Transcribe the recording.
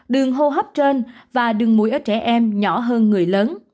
đường hô hấp trên và đường mũi ở trẻ em nhỏ hơn người lớn